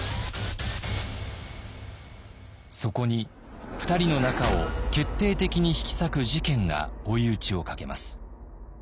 そこに２人の仲を決定的に引き裂く事件が追い打ちをかけます。